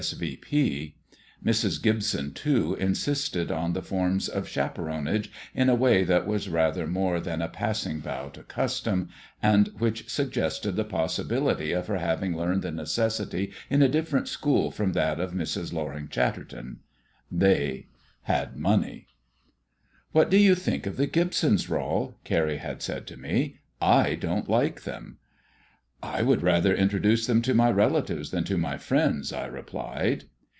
S. V. P." Mrs. Gibson, too, insisted on the forms of chaperonage in a way that was rather more than a passing bow to custom, and which suggested the possibility of her having learned the necessity in a different school from that of Mrs. Loring Chatterton. They had money. "What do you think of the Gibsons, Rol?" Carrie had said to me; "I don't like them." "I would rather introduce them to my relatives than to my friends," I replied.